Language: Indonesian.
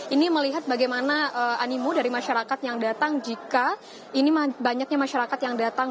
ini melihat bagaimana animu dari masyarakat yang datang jika ini banyaknya masyarakat yang datang